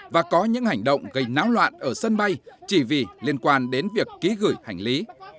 và có những hành động gây náo loạn ở sân bay chỉ vì liên quan đến việc ký gửi hành lý